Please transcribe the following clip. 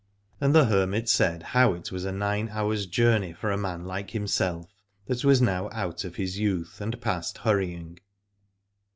And the hermit said how it was a nine hours' yourney for a man like himself, that was now out of his youth and past hurrying.